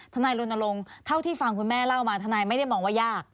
นายรณรงค์เท่าที่ฟังคุณแม่เล่ามาทนายไม่ได้มองว่ายาก